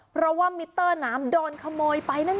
เพราะว่ามิเตอร์น้ำโดนขโมยไปนั่นเอง